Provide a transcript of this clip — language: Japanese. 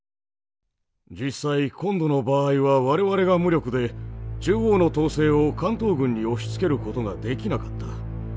実際今度の場合は我々が無力で中央の統制を関東軍に押しつけることができなかった。